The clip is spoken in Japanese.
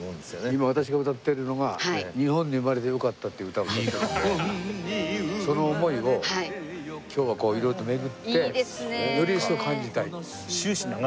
今私が歌ってるのが『日本に生まれてよかった』っていう歌を歌っててその思いを今日は色々と巡ってより一層感じたい。